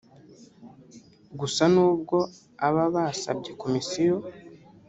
Gusa n’ubwo aba basabye Komisiyo